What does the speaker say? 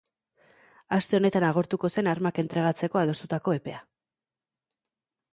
Aste honetan agortuko zen armak entregatzeko adostutako epea.